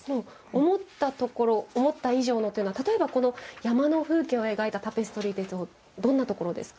思ったところ思った以上のというところはこの山の風景を描いたタペストリーでいうとどんなところですか？